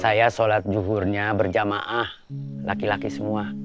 saya sholat zuhurnya berjamaah laki laki semua